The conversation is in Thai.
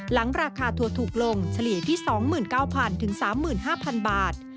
หลังราคาทัวร์ถูกลงเฉลี่ยที่๒๙๐๐๓๕๐๐บาท